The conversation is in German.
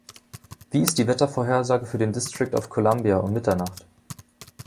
Wie ist die Wettervorhersage für den District of Columbia um Mitternacht?